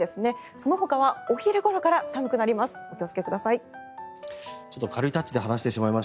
そのほかはお昼ごろから寒くなります。